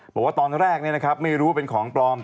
บอกว่าตอนแรกไม่รู้ว่าเป็นของปลอม